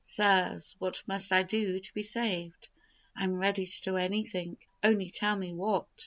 "Sirs, what must I do to be saved? I am ready to do anything, only tell me what."